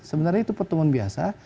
sebenarnya itu pertemuan biasa